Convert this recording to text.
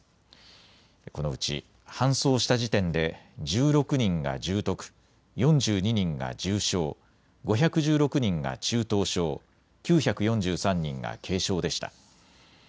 このうち搬送した時点で１６人が重篤、４２人が重症、５１６人が中等症、９４３人が軽症でした。